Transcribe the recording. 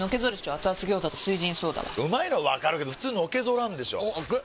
アツアツ餃子と「翠ジンソーダ」はうまいのはわかるけどフツーのけぞらんでしょアツ！